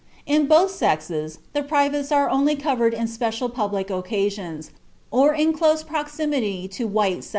In both sexes the privates are only covered on special public occasions, or when in close proximity to white settlements.